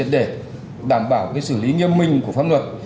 để đảm bảo xử lý nghiêm minh của pháp luật